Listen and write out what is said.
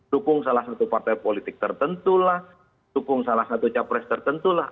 dukung salah satu partai politik tertentu lah dukung salah satu capres tertentu lah